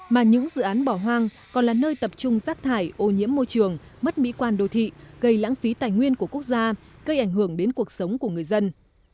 mà những dự án bỏ hoang còn là nơi tập trung rác thải ô nhiễm môi trường mất mỹ quan đô thị gây lãng phí tài nguyên của quốc gia gây ảnh hưởng đến cuộc sống của người dân